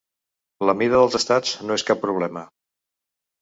La mida dels estats no és cap problema.